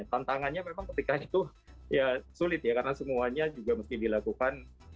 tantangannya memang ketika itu ya sulit ya karena semuanya juga mesti dilakukan